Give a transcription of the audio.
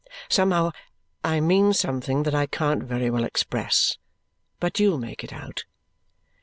(Somehow, I mean something that I can't very well express, but you'll make it out.)